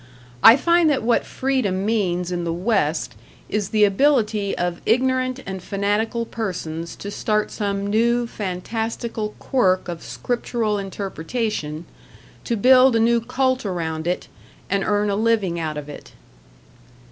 I find that what freedom means in the West is the ability of ignorant and fanatical persons to start some new, fantastical quirk of scriptural interpretation, to build a new cult around it, and earn a living out of it.